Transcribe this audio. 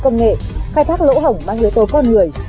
công nghệ khai thác lỗ hổng mang yếu tố con người